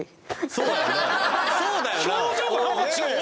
そうだよな